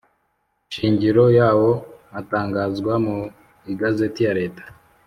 Shingiro yawo atangazwa mu igazeti ya leta